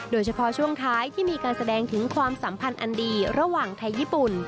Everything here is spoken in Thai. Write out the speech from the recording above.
โดยเฉพาะช่วงท้ายที่มีการแสดงถึงความสัมพันธ์อันดีระหว่างไทยญี่ปุ่น